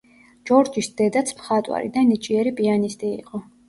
ჯორჯის დედაც მხატვარი და ნიჭიერი პიანისტი იყო.